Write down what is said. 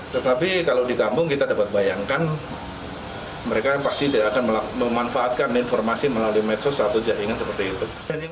tetapi kalau di kampung kita dapat bayangkan mereka pasti tidak akan memanfaatkan informasi melalui medsos atau jaringan seperti itu